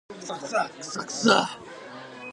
クソクソ